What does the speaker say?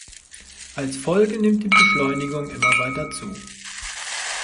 Als Folge nimmt die Beschleunigung immer weiter zu.